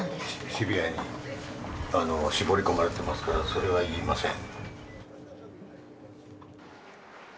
シビアに絞り込まれていますからそれは言いません。